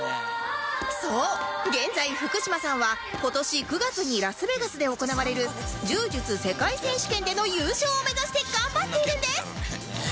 そう現在福島さんは今年９月にラスベガスで行われる柔術世界選手権での優勝を目指して頑張っているんです